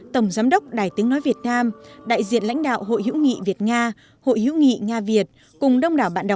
tổng giám đốc đài tiếng nói việt nam đại diện lãnh đạo hội hiểu nghị việt nga